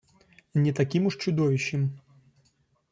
Не таким уж чудовищем.